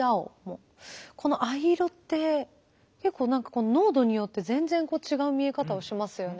この藍色って結構何か濃度によって全然違う見え方をしますよね。